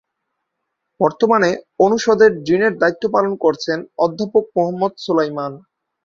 বর্তমানে অনুষদের ডিনের দায়িত্ব পালন করছেন অধ্যাপক মোহাম্মদ সোলায়মান।